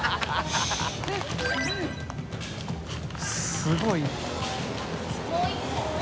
すごい。